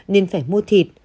nên phải mua thịt